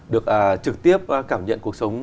được trực tiếp cảm nhận cuộc sống